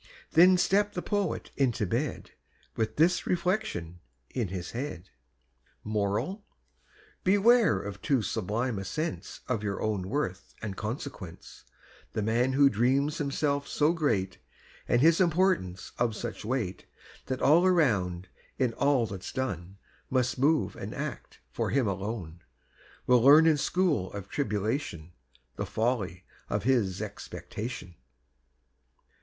Then stepp'd the poet into bed With this reflection in his head: MORAL. Beware of too sublime a sense Of your own worth and consequence: The man who dreams himself so great, And his importance of such weight, That all around, in all that's done, Must move and act for him alone, Will learn in school of tribulation The folly of his expectation.